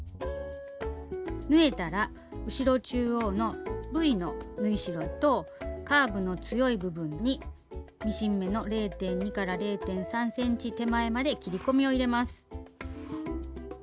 縫えたら後ろ中央のＶの縫い代とカーブの強い部分にミシン目の０．２０．３ｃｍ手前まで切り込みを入れます。